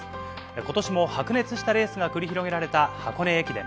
ことしも白熱したレースが繰り広げられた箱根駅伝。